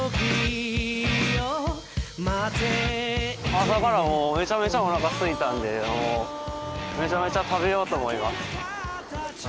朝からもうめちゃめちゃおなかすいたんでめちゃめちゃ食べようと思います。